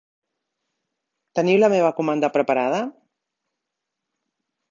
Teniu la meva comanda preparada?